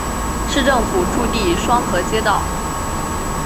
市政府驻地双河街道。